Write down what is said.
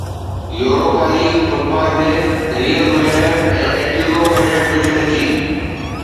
Europa League football match Real Madrid ۽ Atletico Madrid وچ ۾ ٿي